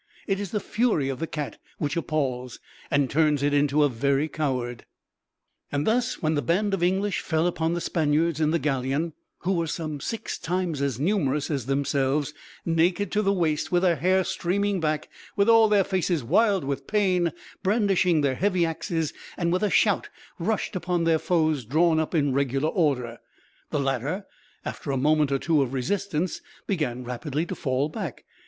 It is the fury of the cat which appalls, and turns it into a very coward. Thus, when the band of English fell upon the Spaniards in the galleon who were some six times as numerous as themselves naked to the waist, with hair streaming back, with all their faces wild with pain, brandishing their heavy axes, and with a shout rushed upon their foes drawn up in regular order; the latter, after a moment or two of resistance, began rapidly to fall back.